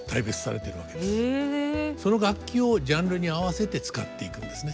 その楽器をジャンルに合わせて使っていくんですね。